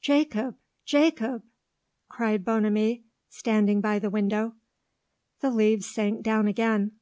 "Jacob! Jacob!" cried Bonamy, standing by the window. The leaves sank down again.